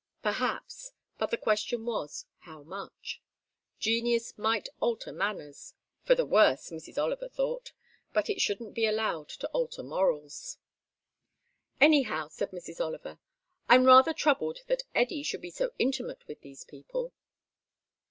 Perhaps: but the question was, how much. Genius might alter manners (for the worse, Mrs. Oliver thought) but it shouldn't be allowed to alter morals. "Anyhow," said Mrs. Oliver, "I am rather troubled that Eddy should be so intimate with these people."